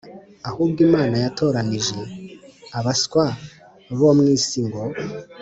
Ahubwo Imana yatoranije abaswa bo mu isi ngo